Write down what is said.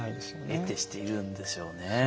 えてしているんですよね。